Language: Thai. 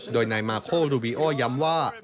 โดยนายมาโครูบิโอย้ำว่า